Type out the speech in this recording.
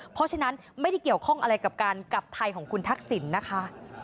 เพราะฉะนั้นไม่ได้เกี่ยวข้องอะไรกับการกลับไทยของคุณทักษิณนะคะ